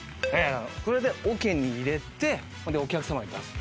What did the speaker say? これでおけに入れてお客さまに出す。